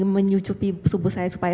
menyucupi subuh saya supaya